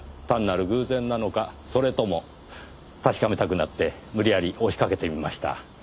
単なる偶然なのかそれとも。確かめたくなって無理やり押しかけてみました。